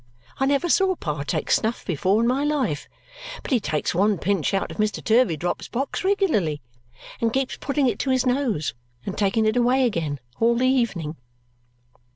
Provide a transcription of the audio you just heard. I never saw Pa take snuff before in my life, but he takes one pinch out of Mr. Turveydrop's box regularly and keeps putting it to his nose and taking it away again all the evening."